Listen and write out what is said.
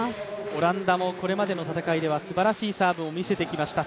オランダもこれまでの戦いではすばらしいサーブを見せてきました。